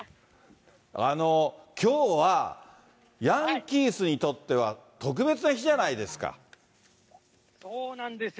きょうは、ヤンキースにとっては、そうなんですよ。